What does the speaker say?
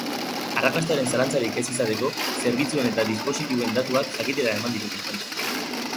Arrakastaren zalantzarik ez izateko zerbitzuen eta dispositiboen datuak jakitera eman ditu konpainiak.